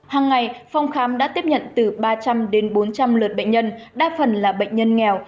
hàng ngày phòng khám đã tiếp nhận từ ba trăm linh đến bốn trăm linh lượt bệnh nhân đa phần là bệnh nhân nghèo